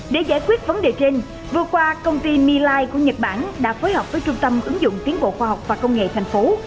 để giải quyết vấn đề trên vừa qua công ty myline của nhật bản đã phối hợp với trung tâm ứng dụng tiến bộ khoa học và công nghệ thành phố